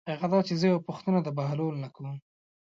هغه دا چې زه یوه پوښتنه د بهلول نه کوم.